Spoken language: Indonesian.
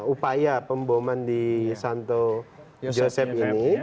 upaya pemboman di santo yosep ini